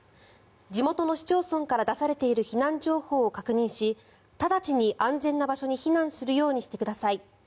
地元の市町村から出されている避難情報を確認し直ちに安全な場所に避難するようにしてください。